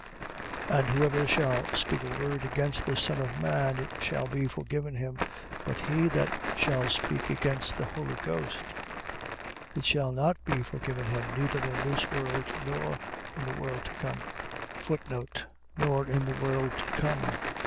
And whosoever shall speak a word against the Son of man, it shall be forgiven him: but he that shall speak against the Holy Ghost, it shall not be forgiven him neither in this world, nor in the world to come. Nor in the world to come.